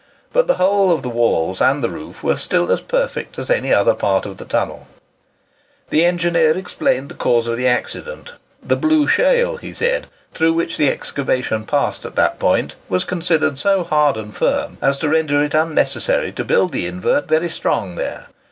But the whole of the walls and the roof were still as perfect as at any other part of the tunnel. [Picture: Entrance to the Summit Tunnel, Littleborough] The engineer explained the cause of the accident; the blue shale, he said, through which the excavation passed at that point, was considered so hard and firm, as to render it unnecessary to build the invert very strong there.